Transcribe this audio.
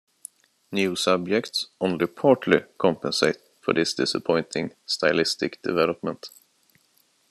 New subjects only partly compensate for this disappointing stylistic development.